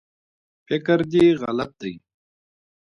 فکر دی غلط دی